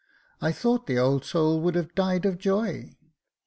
I thought the old soul would have died with joy."